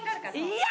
いや！